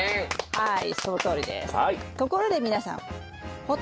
はい。